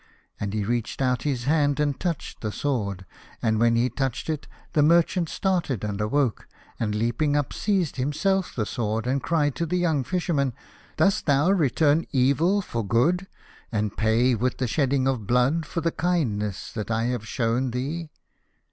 And he reached out his hand and touched the sword, and when he touched it the mer chant started and awoke, and leaping up seized himself the sword and cried to the young Fisherman, " Dost thou return evil for good, and pay with the shedding of blood for the kindness that I have shown thee